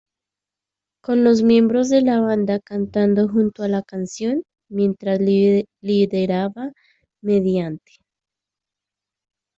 Con los miembros de la banda cantando junto a la canción, mientras lideraba mediante.